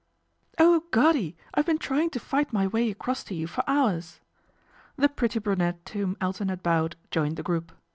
" Oh, Goddy ! I've been trying to fi^htmy way across to you for hours." The pretty brunette to whom Elton had bowed joined the group.